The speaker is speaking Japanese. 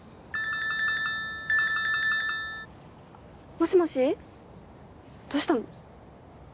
もしもしどうしたの？